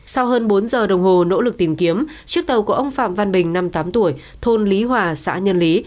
sau hơn bốn giờ đồng hồ nỗ lực tìm kiếm chiếc tàu của ông phạm văn bình năm mươi tám tuổi thôn lý hòa xã nhân lý